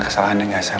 butuh jenis air